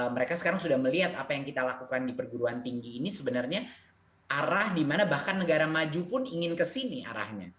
mereka sekarang sudah melihat apa yang kita lakukan di perguruan tinggi ini sebenarnya arah dimana bahkan negara maju pun ingin kesini arahnya